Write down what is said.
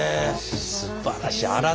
すばらしい。